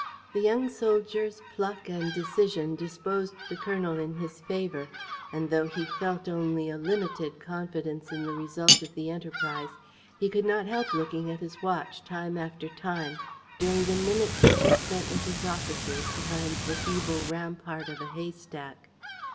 The young soldier's pluck and decision disposed the colonel in his favor; and, though he felt only a limited confidence in the result of the enterprise, he could not help looking at his watch, time after time, during the minutes which he spent with his officers, behind the feeble rampart of a hay stack.